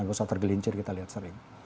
nggak usah tergelincir kita lihat sering